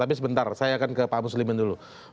tapi sebentar saya akan ke pak muslimin dulu